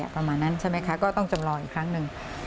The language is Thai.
ประมาณนั้นใช่ไหมคะก็ต้องจำลองอีกครั้งหนึ่ง